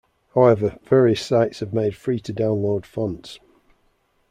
However, various sites have made free-to-download fonts.